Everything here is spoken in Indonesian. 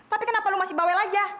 tapi kenapa lu masih bawel aja